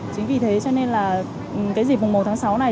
chính vì thế cho nên là cái dịp mùng một tháng sáu này